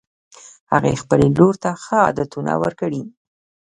هغې خپلې لور ته ښه عادتونه ورکړي